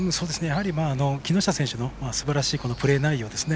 木下選手のすばらしいプレー内容ですね。